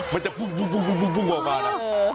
มันจะปุ้บปุ๊บปุ้บปุ๊บปุ๊บปุ๊บออกมาแล้วโอ้